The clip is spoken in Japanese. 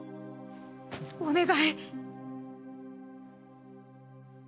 お願い。